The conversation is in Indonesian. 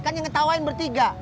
kan yang ngetawain bertiga